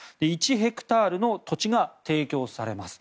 １ヘクタールの土地が提供されます。